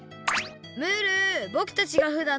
ムール！